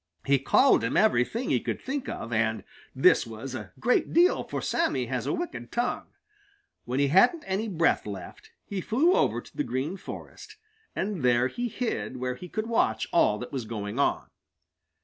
He called him everything he could think of, and this was a great deal, for Sammy has a wicked tongue. When he hadn't any breath left, he flew over to the Green Forest, and there he hid where he could watch all that was going on.